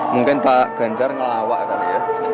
mungkin tak ganjar ngelawak tadi ya